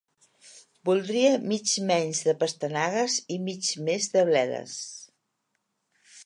Voldria mig menys de pastanagues i mig més de bledes.